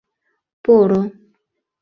— Поро!